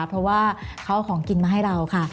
เพราะว่าเขาเอาของกินมาให้เราค่ะ